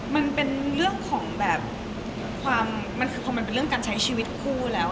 มันเป็นเรื่องของแบบความมันคือพอมันเป็นเรื่องการใช้ชีวิตคู่แล้ว